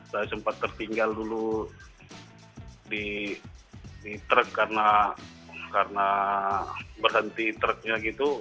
saya sempat tertinggal dulu di truk karena berhenti truknya gitu